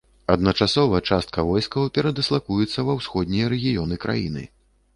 Адначасова частка войскаў перадыслакуецца ва ўсходнія рэгіёны краіны.